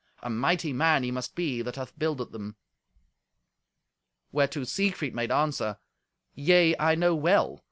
A mighty man he must be that hath builded them." Whereto Siegfried made answer, "Yea, I know well.